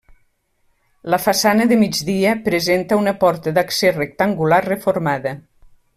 La façana de migdia presenta una porta d'accés rectangular reformada.